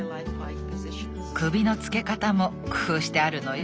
首の付け方も工夫してあるのよ。